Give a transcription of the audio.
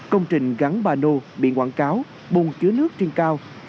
công trình gắn bà nô biển quảng cáo bùng chứa nước trên cao